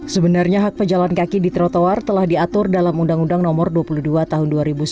sebenarnya hak pejalan kaki di trotoar telah diatur dalam undang undang nomor dua puluh dua tahun dua ribu sembilan